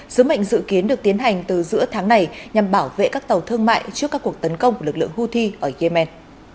sứ mệnh dự kiến được tiến hành từ giữa tháng này nhằm bảo vệ các tàu thương mại trước các cuộc tấn công của lực lượng houthi ở yemen